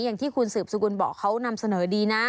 อย่างที่คุณสืบสกุลบอกเขานำเสนอดีนะ